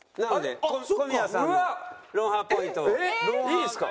いいんですか？